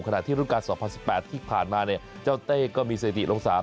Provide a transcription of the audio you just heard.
ขนาดที่รุ่นการ๒๐๑๘ที่ผ่านมาเนี่ยเจ้าเต้ก็มีเศรษฐีลงสนาม